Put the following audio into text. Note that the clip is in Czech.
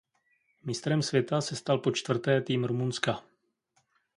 Mistrem světa se stal po čtvrté tým Rumunska.